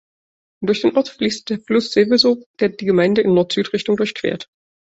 Durch den Ort fließt der Fluss Seveso, der die Gemeinde in Nord-Süd-Richtung durchquert.